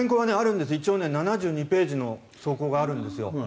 一応７２ページの草稿があるんですよ。